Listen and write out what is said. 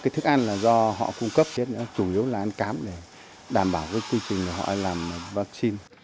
thức ăn là do họ cung cấp chết nữa chủ yếu là ăn cám để đảm bảo quy trình họ làm vaccine